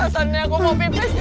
asalnya aku mau pipis